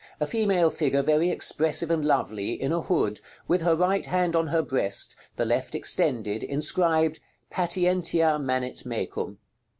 A female figure, very expressive and lovely, in a hood, with her right hand on her breast, the left extended, inscribed "PATIENTIA MANET MECUM."